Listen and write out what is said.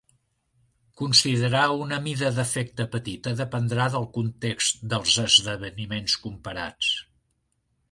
Considerar una mida d'efecte petita dependrà del context dels esdeveniments comparats.